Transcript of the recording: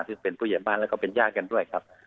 ซึ่งเป็นผู้ใหญ่บ้านแล้วก็เป็นญาติกันด้วยครับ